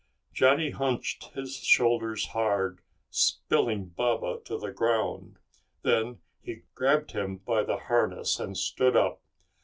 Johnny hunched his shoulders hard, spilling Baba to the ground. Then he grabbed him by the harness, and stood up.